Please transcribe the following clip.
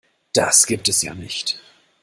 Das gibt es ja nicht!